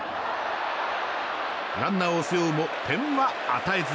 ランナーを背負うも点は与えず。